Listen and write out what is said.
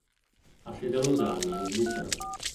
Ha sede a Losanna, in Svizzera.